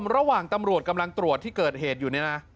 ระหว่างตำรวจกำลังตรวจที่เกิดเหตุอยู่นี่นะ